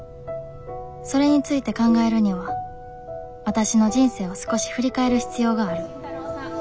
それについて考えるにはわたしの人生を少し振り返る必要がある。